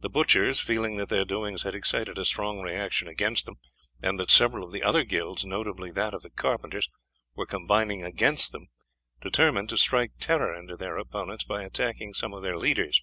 The butchers, feeling that their doings had excited a strong reaction against them, and that several of the other guilds, notably that of the carpenters, were combining against them, determined to strike terror into their opponents by attacking some of their leaders.